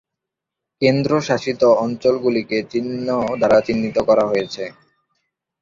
কেন্দ্রশাসিত অঞ্চলগুলিকে চিহ্ন দ্বারা চিহ্নিত করা হয়েছে।